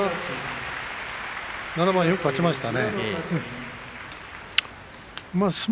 ７番よく勝ちましたよ。